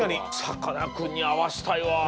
さかなクンにあわせたいわ。